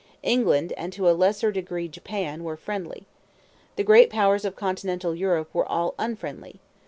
England, and to a less degree Japan, were friendly. The great powers of Continental Europe were all unfriendly.